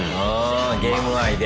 ゲーム愛で。